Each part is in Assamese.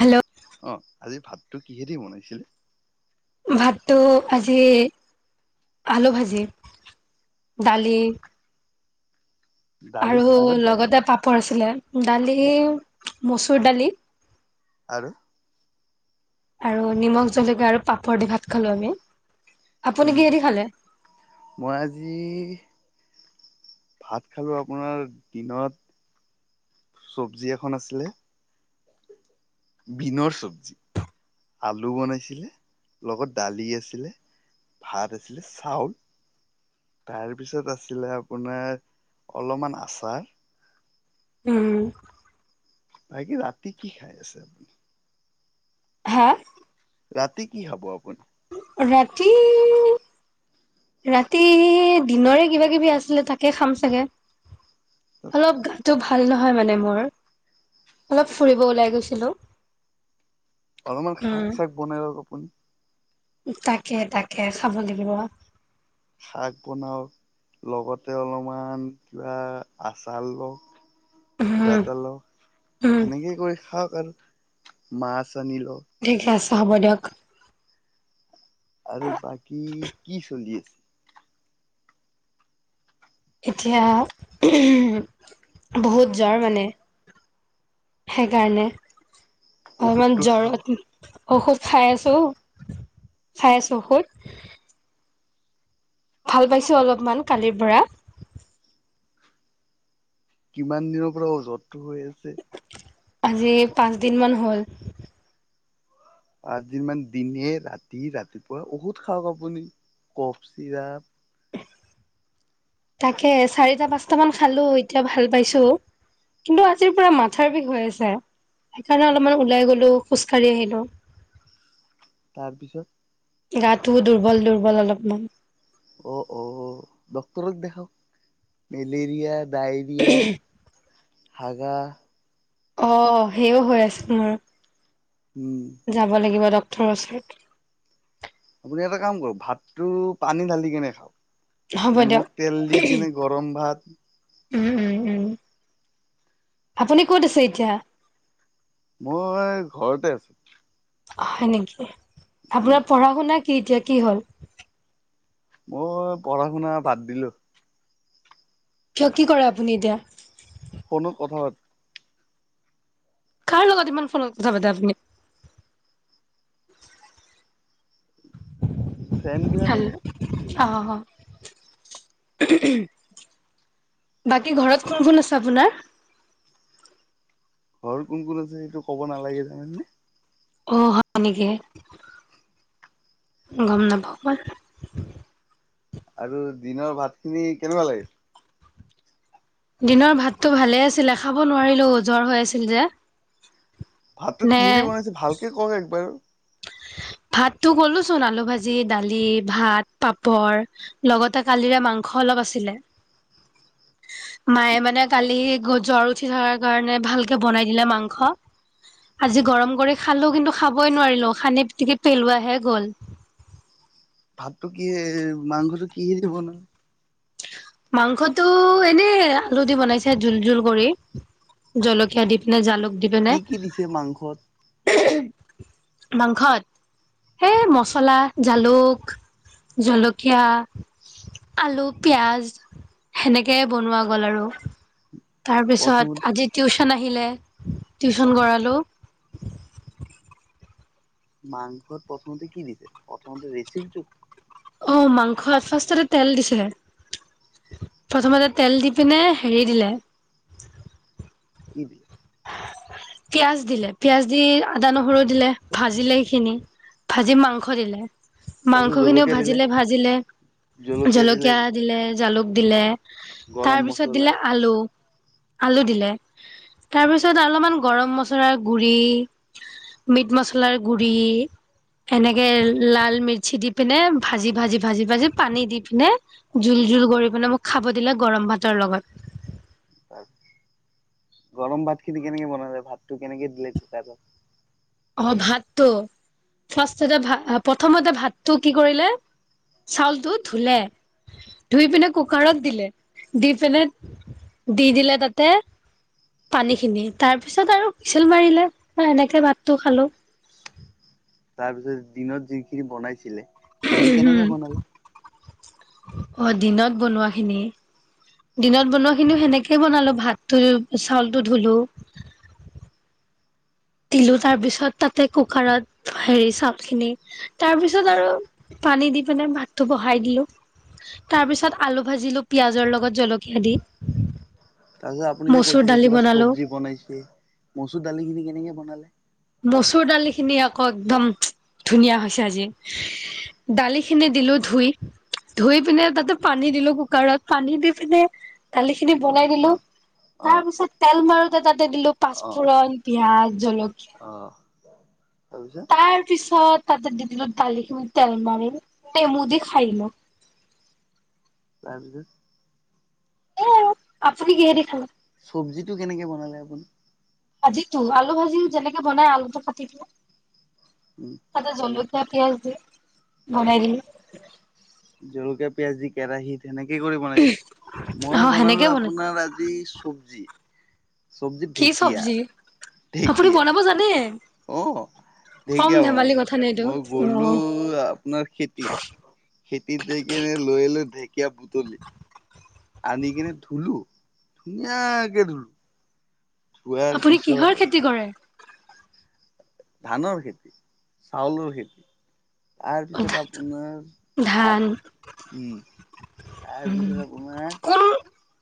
হেল্লৌ' অঁ' আজি ভাততো কিহেদি বনাইছিল? ভাতটো আজি আলু ভাজি, দালি- দালি আৰু কিহত দালি লগতে পাপৰ আছিলে, দালি, মচুৰ দালি- আৰু- আৰু নিমখ জলকীয়া আৰু পাপৰ দি ভাত খালো আমি, আপুনি কিহেদি খালে? মই আজি- ভাত খালো আপোনাৰ দিনত চব্জি এখন আছিলে। বিনৰ চব্জি, আলু বনাইছিলে লগত দালি আছিলে। ভাত আছিলে চাউল। তাৰপিছত, আছিলে আপোনাৰ অলমান আচাৰ- উম উম' বাকী, ৰাতি কি খাই আছে আপুনি? হাঁ' ৰাতি কি খাব আপুনি? অ' ৰাতি- ৰাতি দিনৰে কিবা কিবি আছিলে তাকে খাম চাগে। অলপ গাটো ভাল নহয় মানে মোৰ, অলপ ফুৰিব ওলাই গৈছিলো। অলমান শাক উম চাক বনাই লওঁক আপুনি। তাকে তাকে, খাব লাগিব আৰু। শাক বনাওঁক লগতে অলমান কিবা আচাৰ লওঁ। কিবা উম এটা লওঁ, উম সেনেকেই কৰি খাওঁক আৰু মাছ আনি লওঁ। ঠিকে আছে, হ'ব দিয়ক। আৰু বাকী, কি চলি আছে? এতিয়া, বহুত জ্বৰ মানে- সেইকাৰণে, অলমান ঔষধটো খাওক জ্বৰত- ঔষধ খাই আছো, খাই আছো ঔষধ। ভাল পাইছো অলপমান কালিৰ পৰা। কিমান দিনৰ পৰা ও জৰটো হৈ আছে? আজি পাঁচদিনমান হ'ল। পাঁচদিনমান দিনে, ৰাতি, ৰাতিপুৱা ঔষধ খাওক আপুনি, কফ চিৰাপ- তাকে, চাৰিটা পাঁচটা মান খালো এতিয়া ভাল পাইছো। কিন্তু আজিৰ পৰা মাথাৰ বিষ হৈ আছে, সেইকাৰণে অলমান ওলাই গলো খোজকাঢ়ি আহিলো। তাৰ পিছত? গাটোও দুৰ্বল-দুৰ্বল অলপমান। অ' অ' ড্ক্তৰক দেখাওক মেলেৰিয়া- ডায়ৰিয়া, হাগা। অ' সেইয়ও হৈ আছে তোমাৰ। উম। যাব লাগিব ডাক্তৰৰ ওচৰত। আপুনি এটা কাম কৰক ভাতটো পানী ঢালি কেনে খাওক। হ'ব দিয়ক নিমখ তেল দি কেনে গৰম ভাত উম', উম ', উম, আপুনি ক'ত আছে এতিয়া? মই ঘৰতে আছো। হয় নেকি, উম আপোনাৰ পঢ়া শুনা কি এতিয়া কি হ'ল? মই পঢ়া শুনা বাদ দিলো। কিয়, কি কৰে আপুনি এতিয়া? ফোনত কথা পাতো। কাৰ লগত ইমান ফোনত কথা পাতে আপুনি? ফ্ৰেণ্ড বিলাকৰ লগত। অহ। বাকী ঘৰত কোন কোন আছে আপোনাৰ? ঘৰ কোন কোন আছে সেইটো ক'ব নালাগে, জানা নে? অঁ' হয় নেকি, গম নাপাওঁ মই। আৰু দিনৰ ভাতখিনি কেনেকুৱা লাগিল? দিনৰ ভাতটো ভালে আছিলে, খাব নোৱাৰিলো জ্বৰ হৈ আছিল যে। ভাতটো নে কিহে দি বনাইছে ভালকে ক একবাৰ? ভাতটো কলো চোন আলু ভাজি, দালি, ভাত পাপৰ। লগতে কালিৰে মাংস অলপ আছিলে। মায়ে মানে কালি জ্বৰ উঠি থকাৰ কাৰণে ভালকে বনাই দিলে মাংস। আজি গৰম কৰি খালো কিন্তু খাবই নোৱাৰিলো খানি পিটিকি পেলোৱাহে গ'ল। ভাতটো কিহে, মাংসটো কিহে দি বনালা? মাংসটো এনেই আলু দি বনাইছে জোল জোল কৰি। জলকীয়া দি পিনে জালুক দি পিনে। কি কি দিছে মাংসত মাংসত। সেই মচলা, জালুক, জলকীয়া, আলু পিঁয়াজ, সেনেকৈ বনোৱা গ'ল আৰু। তাৰ পিছত প্ৰথমতে আজি টিউচন আহিলে টিউচন কৰালোঁ। মাংসত প্ৰথমতে কি দিছে, প্ৰথমতে ৰেচিপিটো অ, মাংস ফাৰ্ষ্টতে তেল দিছিলে। প্ৰথমতে তেল দি পিনে হেৰি দিলে। কি দিয়ে? পিয়াজ দিলে, পিয়াজ দি আদা-নহৰু দিলে, ভাজিলে সেইখিনি। ভাজি মাংস দিলে, তাৰপিছত মাংসখিনিও জলকীয়া দিলে ভাজিলে ভাজিলে- জলকীয়া দিলে, জালুক দিলে, গৰম তাৰপিছত মছলা দিলে আলু। আলু দিলে। তাৰপিছত অলপমান গৰম মছলাৰ গুৰি। মিট মচলাৰ গু়ৰি। এনেকে লাল মিৰ্চি দি পিনে ভাজি ভাজি ভাজি ভাজি পানী দি পিনে- জোল জোল কৰি পিনে মোক খাব দিলে গৰম ভাতৰ লগত। গৰম ভাত খিনি কেনেকে বনালে, ভাতটো কেনেকে দিলে কুকাৰত? অঁ' ভাতটো? ফাষ্টতে ভাত প্ৰথমতে ভাতটো কি কৰিলে চাউলটো ধুলে- ধুই পিনে কুকাৰত দিলে, দি পিনে দি দিলে তাতে- পানী খিনি, তাৰ পিছত আৰু হুইচেল মাৰিলে এনেকে ভাতটো খালো। তাৰ পিছত দিনত যিখিনি বনাইছিলে, সেইখিনি উম, কেনেকে বনালে? অ' দিনত বনোৱা খিনি। দিনত বনোৱা খিনিও সেনেকেই বনালো, ভাতটো চাউলটো ধুলো। দিলো তাৰ পিছত তাতে কুকাৰত হেৰি চাউল খিনি তাৰ পিছত আৰু পানী দি পিনে ভাতটো বহাই দিলো। তাৰ পিছত আলু ভাজিলো, পিয়াঁজৰ লগত জলকীয়া দি। তাৰপিছত আপুনি যে মচুৰ কৈছিলে দালি কিবা বনালো চব্জি বনাইছে, মচুৰ দালিখিনি কেনেকে বনালে? মচুৰ দালিখিনি আকৌ একদম ধুনীয়া হৈছে আজি। দালিখিনি দিলো ধুই। ধুই পিনে তাতে পানী দিলো কুকাৰত পানী দি পিনে। দালি খিনি বনাই দিলো, অ অ তাৰ পিছত তেল মাৰোতে তাতে দিলো অ পাঁচফোৰণ, পিঁয়াজ, জল অ' তাপিছত? পিছত তাতে দিলো দালিখিনি তেল মাৰি, নেমু দি খাই দিলো। তাৰপিছত? এয়া আৰু আপুনি কিহে দি খালে? চব্জিটো কেনেকে বনালে আপুনি? ভাজিটো আলু ভাজি যেনেকে বনাই আলুটো কাটি কুতি উম তাতে তাৰপিছত জলকীয়া, পিয়াঁজ দি বনাই দিলো। জলকীয়া পিয়াঁজ দি কেৰাহী তেনেকে কৰি বনাইছে, অ মই সেনেকে বনালো বনাই আপোনাৰ আজি চব্জি। চব্জিত কি ঢেকীয়া চব্জি? আপুনি ঢেকীয়া বনাব জানে। অ কম ঢেকীয়া ধেমালি বনালো, কথা নে এইটো? মই অ। গলো আপোনাৰ খেতিত। খেতিতে কেৰে লৈ লৈ ঢেকীয়া বুটলি। আনি কিনে ধুলো ধুনীয়াকে ধুলো। ধোৱাৰ আপুনি পিছত কিহৰ খেতি কৰে? ধানৰ খেতি, চাউলৰ খেতি। আৰপিছত আপোনাৰ ধান ভাত উম। উম তাৰপিছত আপোনাৰ কোন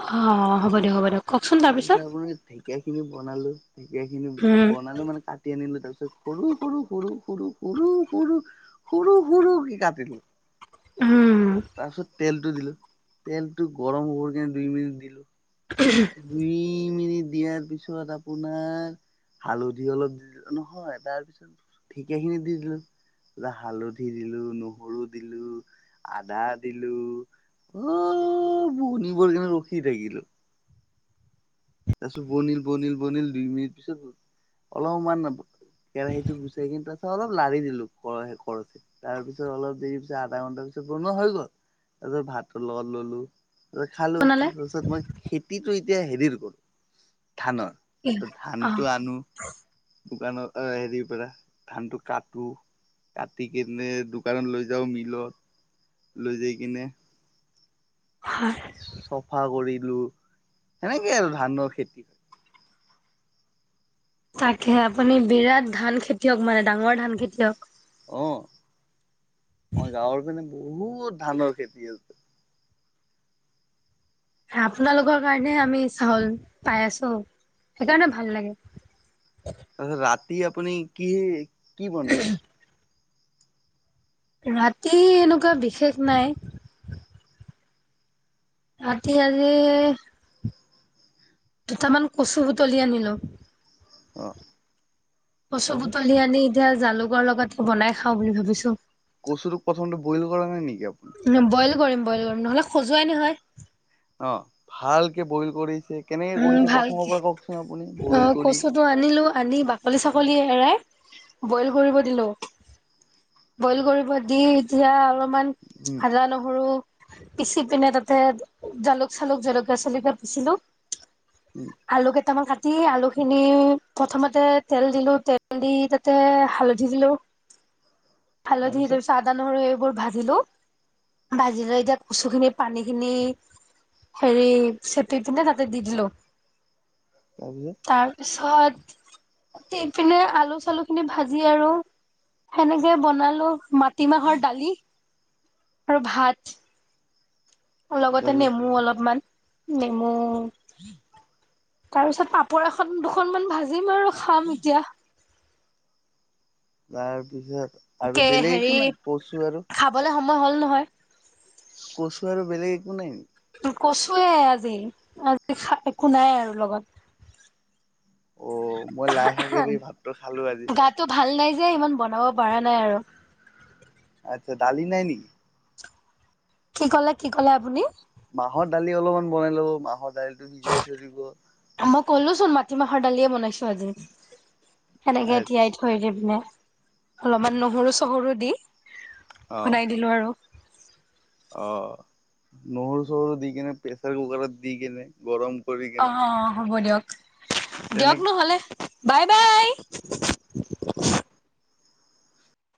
অ' হ'ব দিয়ক, হ'ব দিয়ক। তাৰপিছত আপুনি ঢেকীয়া খিনি বনালো, ঢেকীয়া খিনি উম বনালো মানে তাত কাটি আনিলো তাৰ পিছত সৰু সৰু সৰু সৰু সৰু সৰু সৰু সৰুকে কাটিলো। উমম। তাৰপিছত তেলটো দিলোঁ, তেলটো গৰম হ'বৰ কাৰণে দুই মিনিট দিলোঁ। [unintelligible] দুই মি দিয়াৰ পিছত আপোনাৰ হালধি অলপ দিলো নহয়, তাৰপিছত ঢেকীয়াখিনি দি দিলো। হালধি দিলো, নহৰু দিলো, আদা দিলো। অ' বনিবৰ কাৰণে ৰখি থাকিলো। তাৰপিছত বনিল বনিল বনিল দুই মিনিট পিছত অলমান কেৰাহীটো গুচাই [unintelligible] তাৰপিছত অলপ দেৰি পিছত আধা ঘন্টাৰ পিছত বনোৱা হৈ গ'ল, তাৰ পিছত ভাতৰ লগত ললো। খালো, বনালে তাৰপিছত মই খেতিটো এতিয়া হেৰি কৰো ধানৰ। অ ধানটো আনো, দোকানৰ হেৰিৰ পৰা, ধানটো কাটো। কাটি কেনে দোকানত লৈ যাও, মিলত লৈ যাই কিনে হয়। চফা কৰিলো, সেনেকে আৰু ধানৰ খেতি। তাকে, আপুনি বিৰাট ধান খেতিয়ক মানে ডাঙৰ ধান খেতিয়ক। অ, মই গাঁৱৰ পিনে বহুত ধানৰ খেতি আছে। আপোনালোকৰ কাৰণে আমি চাউল পাই আছো, সেইকাৰণে ভাল লাগে। তাৰপিছত, ৰাতি আপুনি কি কি বনাই? ৰাতি এনেকুৱা বিশেষ নাই। ৰাতি আজি দুটামান কচু বুটলি আনিলো। অঁ। কচু বুটলি আনি এতিয়া জালুকৰ লগত বনাই খাওঁ বুলি ভাবিছো। কচুটোক প্ৰথমতে বইল কৰা নাই নেকি আপুনি? বইল কৰিম, বইল কৰিম, নহ'লে খজুৱাই নহয়। অ, ভালকে বইল কৰিছে, কেনেকে উম কৰিছে প্ৰথমৰ ভালকে পৰা কওকচোন আপুনি অ বইল কৰি? কচুটো আনিলো আনি বাকলি-চাকলি এৰাই, বইল কৰিব দিলোঁ। বইল কৰিব দি, এতিয়া অলপমান উম আদা-নহৰু পিচি পিনে তাতে জালুক- চালুক, জলকীয়া -চলকীয়া পিচিলো। উম। আলু কেইটামান কাটি, আলুখিনি প্ৰথমতে তেল দিলো, তেল দি তা তে হালধি দিলো, হালধি তাৰপিছত আদা- নহৰু এইবোৰ ভাজিলো। ভাজি লৈ এতিয়া কচু খিনি পানী খিনি হেৰি চেপি পিনে তা তে দি দিলো। তাৰপিছত! তাৰপিছত দি পিনে আলু-চালু খিনি ভাজি আ, ৰু সেনেকে বনালো। মা টিমাহৰ দালি আৰু ভাত। লগতে তাৰপিছত নেমু অলপমান নেমু। [inaudible] তাৰ পিছত পাপৰ এখন-দুখনমান ভাজিম আৰু খাম এতিয়া। তাৰপিছত আৰু বেলেগ একো নাই কচু আৰু। খাবলৈ সময় হ'ল নহয়। কচু আৰু বেলেগ একো নাই নেকি! কচুয়ে আজি, আজি [unintelligible] একো নাই আৰু লগত। অ, মই লাই শাকেৰে ভাতটো খালো আজি। গাটো ভাল নাই যে, ইমান বনাব পৰা নাই আৰু। আচ্ছা! দালি নাই নেকি! কি ক'লে, কি ক'লে আপুনি? মাহৰ দালি অলপমান বনাই ল'ব, মাহৰ দালিটো সিজাই থৈ দিব। মই ক'লো চোন মাটিমাহৰ দালিয়ে বনাইছো আজি, সেনেকে তিয়াই থৈ অ থৈ দি পিনে, অলপমান নহৰু-চহৰু দি বনাই দিলো আৰু। অ, নহৰু-চহৰু দি কেনে, প্ৰেছাৰ কুকাৰত দি কেনে, গৰম কৰি অ, কেনে হ'ব দিয়ক, দিয়ক তেনেকে নহ'লে। বাই, বাই।